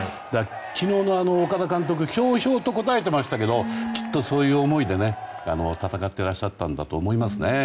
昨日の岡田監督はひょうひょうと答えてましたけどきっと、そういう思いで戦ってらっしゃったんだと思います。